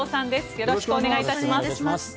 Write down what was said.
よろしくお願いします。